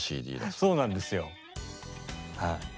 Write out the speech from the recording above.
そうなんですよはい。